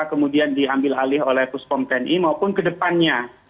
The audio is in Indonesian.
kemudian diambil alih oleh puspom tni maupun ke depannya